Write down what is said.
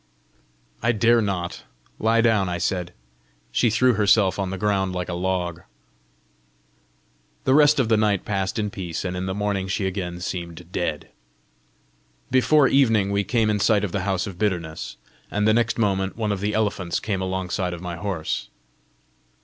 "I dare not. Lie down!" I said. She threw herself on the ground like a log. The rest of the night passed in peace, and in the morning she again seemed dead. Before evening we came in sight of the House of Bitterness, and the next moment one of the elephants came alongside of my horse.